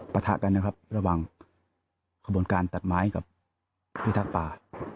ปราถะกันนะครับระวังคบลการตัดไม้กับพี่ทักป่า